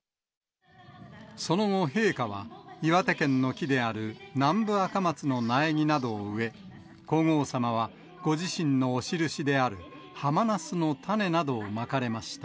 その後、陛下は岩手県の木である南部アカマツの苗木などを植え、皇后さまはご自身のお印であるハマナスの種などをまかれました。